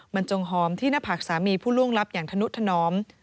มันจงหอมที่หน้าผากสามีผู้ล่วงลับอย่างธนุธนอม